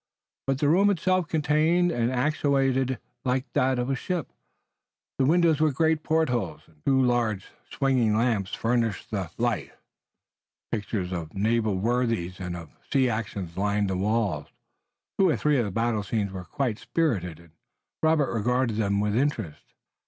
But the room itself continued and accentuated the likeness of a ship. The windows were great portholes, and two large swinging lamps furnished the light. Pictures of naval worthies and of sea actions lined the walls. Two or three of the battle scenes were quite spirited, and Robert regarded them with interest.